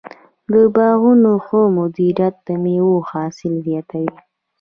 د باغونو ښه مدیریت د مېوو حاصل زیاتوي.